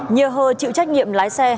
nhi hơ chịu trách nhiệm lái xe